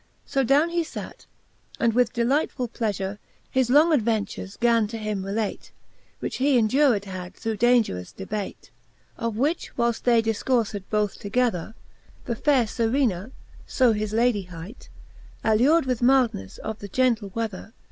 So downe he fate, and with delightfull pleafure His long adventures gan to him relate. Which he endured had through daungerous debate. XXIII. Of which whilefl: they difcourfed both together, The faire Serena (fb his Lady hight) , Allur'd with myldnefTe of the gentle wether.